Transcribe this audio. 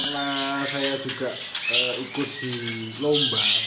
nah saya juga ikut di lomba